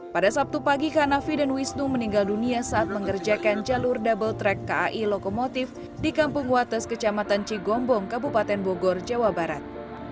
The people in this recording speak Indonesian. pada sabtu pagi hanafi dan wisnu meninggal dunia saat mengerjakan jalur double track kai lokomotif di kampung wates kecamatan cigombong kabupaten bogor jawa barat